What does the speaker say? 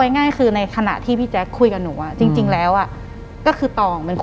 หลังจากนั้นเราไม่ได้คุยกันนะคะเดินเข้าบ้านอืม